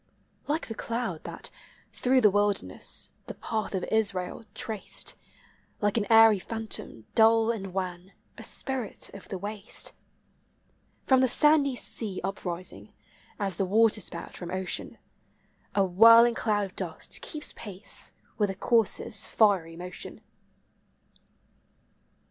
ANIMATE NATURE. 357 Like the cloud that, through the wilderness, the path of Israel traced, — Like an airy phantom, dull and wan, a spirit of the waste, — From the sandy sea uprising, as the water spout from ocean, A whirling cloud of dust keeps pace with the courser's fiery motion.